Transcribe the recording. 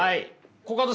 コカドさん